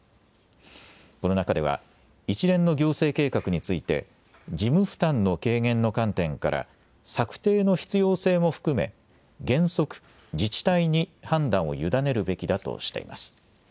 この中では一連の行政計画について事務負担の軽減の観点から策定の必要性も含め原則自治体に判断を委ねるべきだとしています。